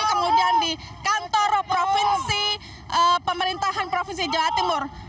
kemudian di kantor provinsi pemerintahan provinsi jawa timur